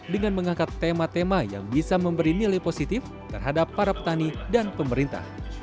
dengan mengangkat tema tema yang bisa memberi nilai positif terhadap para petani dan pemerintah